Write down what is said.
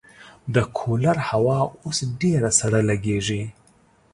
د کولر هوا اوس ډېره سړه لګېږي.